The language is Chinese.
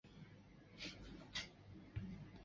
对不同身份地位的人往往使用不同的尊称。